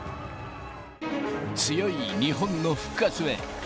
強い日本の復活へ。